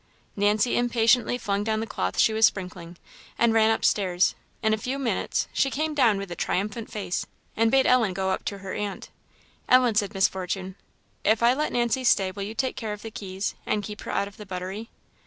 Nancy impatiently flung down the cloth she was sprinkling, and ran up stairs. In a few minutes she came down with a triumphant face, and bade Ellen go up to her aunt. "Ellen," said Miss Fortune, "if I let Nancy stay will you take care of the keys, and keep her out of the buttery?"